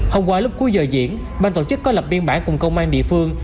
hôm qua lúc cuối giờ diễn bang tổ chức có lập biên bản cùng công an địa phương